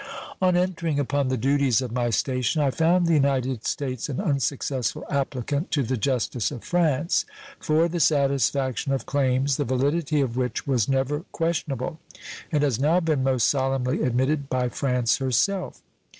On entering upon the duties of my station I found the United States an unsuccessful applicant to the justice of France for the satisfaction of claims the validity of which was never questionable, and has now been most solemnly admitted by France herself.